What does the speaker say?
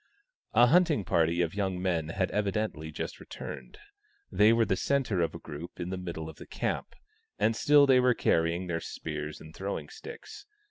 A hunting party of young men had evidently just returned ; they were the centre of a group in the middle of the camp, and still they were carrying their spears and throwing sticks.